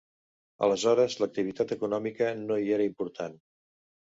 Aleshores l'activitat econòmica no hi era important.